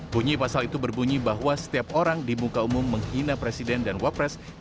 bunyi pasal itu berbunyi bahwa setiap orang di muka umum menghina presiden dan wapres